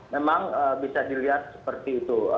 memang bisa dilihat seperti itu